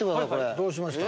どうしました？